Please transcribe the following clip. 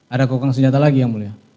ada kokang senjata lagi yang mulia